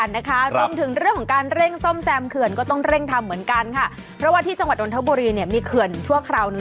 แรงจอมแซมเขินก็ต้องเร่งทำเหมือนกันครับเพราะที่จังหวัดดนทบุรีมีเขื่อนชั่วคราวที่เขาสร้าง